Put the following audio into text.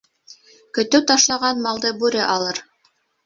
Көтөү ташлаған малды бүре алыр